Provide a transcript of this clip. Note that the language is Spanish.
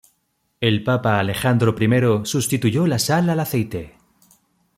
El papa Alejandro I sustituyó la sal al aceite.